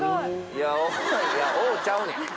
いや「おぉ」ちゃうねん。